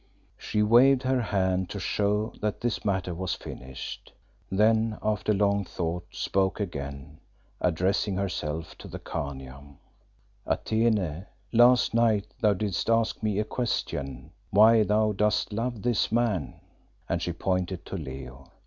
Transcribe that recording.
She waved her hand to show that this matter was finished; then after long thought spoke again, addressing herself to the Khania. "Atene, last night thou didst ask me a question why thou dost love this man," and she pointed to Leo.